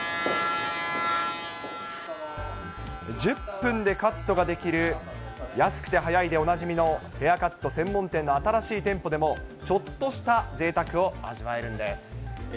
１０分でカットができる、安くてはやいでおなじみのヘアカット専門店の新しい店舗でも、ちょっとしたぜいたくを味わえるんです。